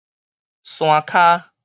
山跤